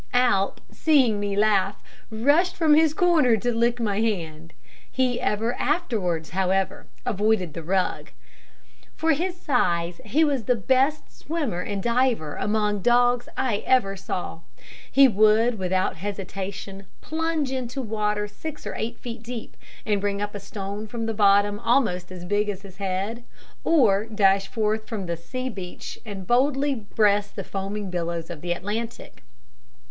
Alp, seeing me laugh, rushed from his corner to lick my hand. He ever afterwards, however, avoided the rug. For his size, he was the best swimmer and diver among dogs I ever saw. He would, without hesitation, plunge into water six or eight feet deep, and bring up a stone from the bottom almost as big as his head, or dash forth from the sea beach and boldly breast the foaming billows of the Atlantic.